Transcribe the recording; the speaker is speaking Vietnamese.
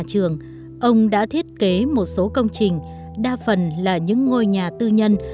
do ông thiết kế cho đến tận ngày nay